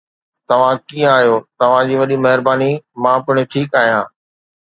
توهان ڪيئن آهيو، توهان جي وڏي مهرباني، مان پڻ ٺيڪ آهيان